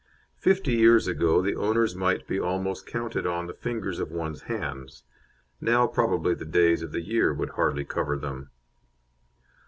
Fifty years ago the owners might be almost counted on the fingers of one's hands; now probably the days of the year would hardly cover them.